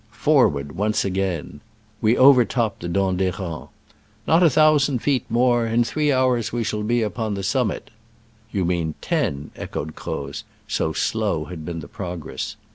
'* Forward'* once again. We over topped the Dent d'Herens. "Not a thousand feet more : in three hours we shall be on the summit." "You mean /<?«," echoed Croz, so slow had been the progress.